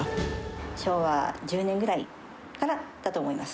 昭和１０年ぐらいからだと思います。